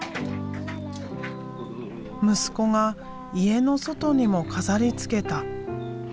息子が家の外にも飾りつけた。